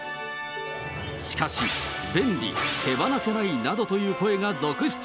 しかし、便利、手放せないなどという声が続出。